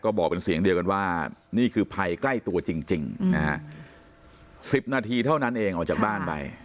บอกเป็นเสียงเดียวกันว่านี่คือภัยใกล้ตัวจริงนะฮะ๑๐นาทีเท่านั้นเองออกจากบ้านไป